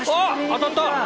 当たった！